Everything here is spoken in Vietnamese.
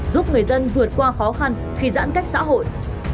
giúp người dân vượt qua khó khăn khi giãn cách xã hội